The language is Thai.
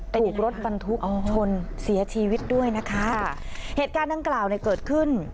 ถูกรถบรรทุกชนเสียชีวิตด้วยนะคะค่ะเหตุการณ์ดังกล่าวเนี่ยเกิดขึ้น